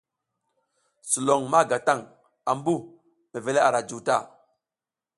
Sulon ma ga taƞ ambu mevel ara juw ta.